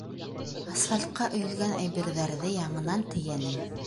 Асфальтҡа өйөлгән әйберҙәрҙе яңынан тейәнем.